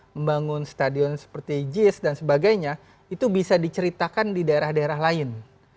membangun stadion seperti jis dan sebagainya itu bisa diceritakan di daerah daerah lain